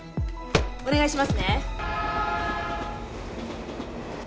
お願いしますね。